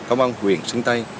công an huyện sơn tây